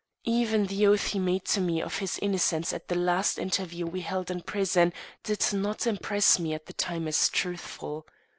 Even the oath he made to me of his innocence at the last interview we held in prison did not impress me at the time as truthful.